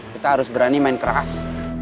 kita harus berani main keras